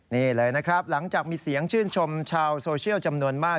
นี่เลยนะครับหลังจากมีเสียงชื่นชมชาวโซเชียลจำนวนมาก